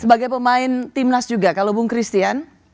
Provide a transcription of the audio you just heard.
sebagai pemain timnas juga kalau bung christian